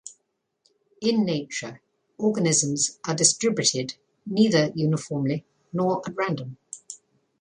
In nature, organisms are distributed neither uniformly nor at random.